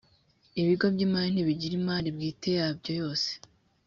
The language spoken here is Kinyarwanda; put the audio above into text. ibigo by’imali ntibigira imali bwite yabyo yose